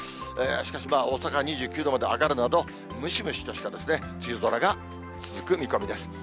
しかし、大阪２９度まで上がるなど、ムシムシとした梅雨空が続く見込みです。